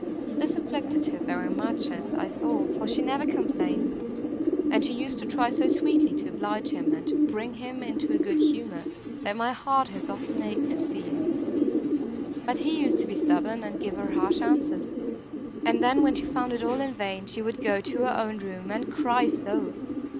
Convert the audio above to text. This afflicted her very much, as I saw, for she never complained, and she used to try so sweetly to oblige him and to bring him into a good humour, that my heart has often ached to see it. But he used to be stubborn, and give her harsh answers, and then, when she found it all in vain, she would go to her own room, and cry so!